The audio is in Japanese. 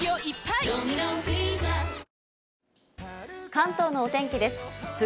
関東のお天気です。